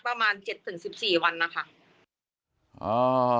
ประมาณ๗๑๔วันนะคะ